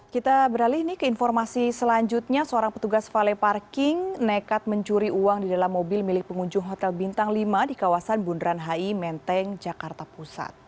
kita beralih ke informasi selanjutnya seorang petugas vale parking nekat mencuri uang di dalam mobil milik pengunjung hotel bintang lima di kawasan bundaran hi menteng jakarta pusat